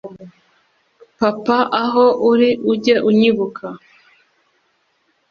Papa aho uri ujye unyibuka